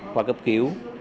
qua cấp cứu